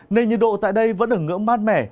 nên nhiệt độ tại đây vẫn ở ngưỡng mát mẻ